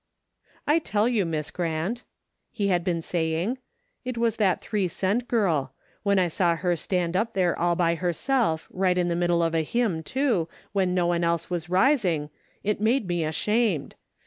" I tell you. Miss Grant," he had been say ing, "it was that three cent girl. When I saw her stand up there all by herself, right in the middle of a hymn, too, when no one else was rising, it made me ashamed.